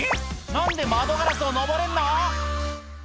何で窓ガラスを登れんの？